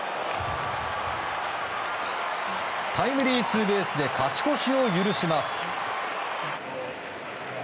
タイムリーツーベースで勝ち越しを許します。